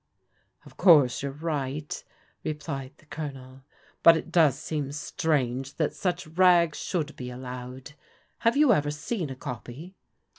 " Of course you're right," replied the Colonel, " but it does seem strange that such rags should be allowed. Have you ever seen a copy